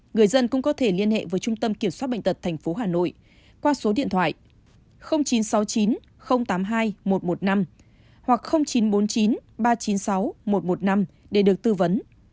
người dân cũng có thể liên hệ với trung tâm kiểm soát bệnh tật tp hà nội qua số điện thoại chín trăm sáu mươi chín tám mươi hai một trăm một mươi năm hoặc chín trăm bốn mươi chín ba trăm chín mươi sáu một trăm một mươi năm để được tư vấn